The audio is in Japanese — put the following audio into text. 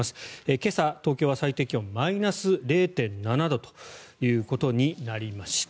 今朝、東京は最低気温マイナス０．７度ということになりました。